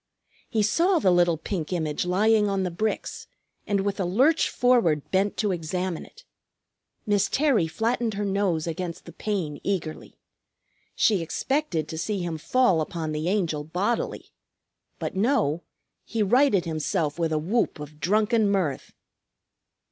He saw the little pink image lying on the bricks, and with a lurch forward bent to examine it. Miss Terry flattened her nose against the pane eagerly. She expected to see him fall upon the Angel bodily. But no; he righted himself with a whoop of drunken mirth.